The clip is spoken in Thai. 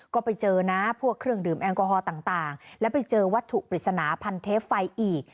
ก็ไปเจอนะพวกเครื่องดื่มแอลกอฮอล์ต่างแล้วไปเจอวัตถุปริศนาพันเทปไฟอีก